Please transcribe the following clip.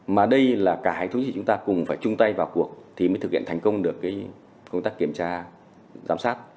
mà đây là cả hệ thống chính trị chúng ta cùng phải chung tay vào cuộc thì mới thực hiện thành công được công tác kiểm tra giám sát